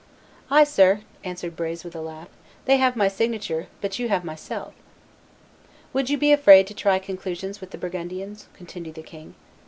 "Ay, sir," answered Brez, with a laugh, "they have my signature, but you have myself." "Would you be afraid to try conclusions with the Burgundians?" continued the king.